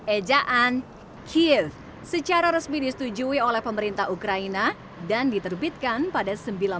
ejaan kiev secara resmi disetujui oleh pemerintah ukraina dan diterbitkan pada seribu sembilan ratus sembilan puluh